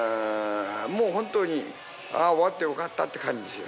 もうホントにああ終わってよかったって感じですよ